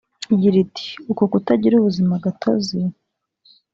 Igira iti “Uku kutagira ubuzima gatozi